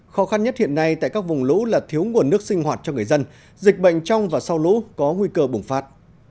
khó khăn nhất hiện nay tại các vùng lũ là thiếu nguồn nước sinh hoạt cho người dân dịch bệnh trong và sau lũ có nguy cơ bùng phát